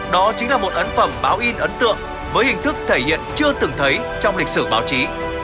đó chính là một ấn phẩm báo in ấn tượng với hình thức thể hiện chưa từng thấy trong lịch sử báo chí